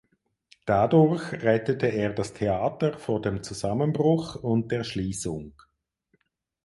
Dadurch rettete er das Theater vor dem Zusammenbruch und der Schließung.